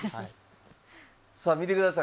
さあ見てください。